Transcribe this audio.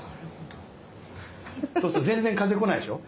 そうすると全然風こないでしょ。